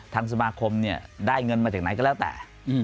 ทางสมาคมเนี่ยได้เงินมาจากไหนก็แล้วแต่